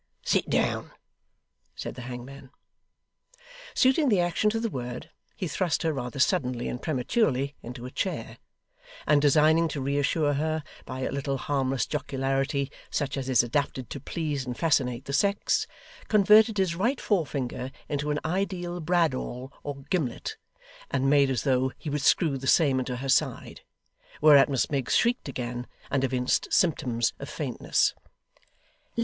'Sit down,' said the hangman. Suiting the action to the word, he thrust her rather suddenly and prematurely into a chair, and designing to reassure her by a little harmless jocularity, such as is adapted to please and fascinate the sex, converted his right forefinger into an ideal bradawl or gimlet, and made as though he would screw the same into her side whereat Miss Miggs shrieked again, and evinced symptoms of faintness.